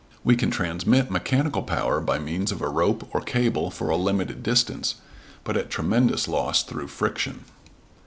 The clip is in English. We can transmit mechanical power by means of a rope or cable for a limited distance, but at tremendous loss through friction.